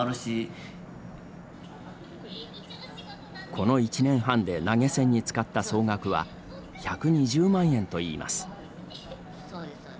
この１年半で投げ銭に使った総額は１２０万円といいます。